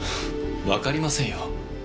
わかりませんよ。